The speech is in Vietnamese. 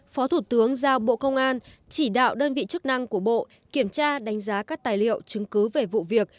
phó thủ tướng giao bộ công an chỉ đạo đơn vị chức năng của bộ kiểm tra đánh giá các tài liệu chứng cứ về vụ việc